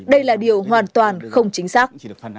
đây là điều hoàn toàn không chính xác